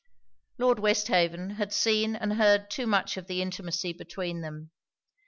Lord Westhaven had seen and heard too much of the intimacy between them.